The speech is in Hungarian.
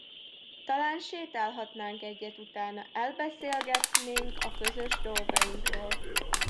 Talán sétálhatnánk egyet utána, elbeszélgetnénk a közös dolgainkról.